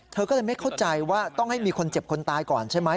เธอก็เลยไม่เข้าใจว่าต้องให้มีคนเจ็บคนตายก่อนใช่ไหม